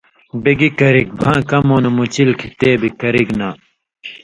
بے گی کرِگ بھاں کمؤں نہ مُچل کھیں تے بِگ کرِگ نا